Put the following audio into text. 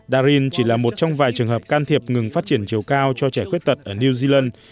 darin chỉ là một trong vài trường hợp can thiệp ngừng phát triển chiều cao cho trẻ khuyết tật ở new zealand